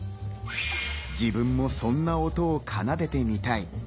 自分もそんな音を奏でてみたい。